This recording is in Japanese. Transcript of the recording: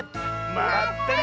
まったね！